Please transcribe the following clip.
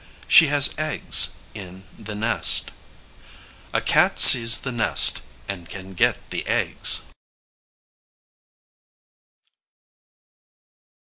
She has eggs in the nest. A cat sees the nest, and can get the eggs.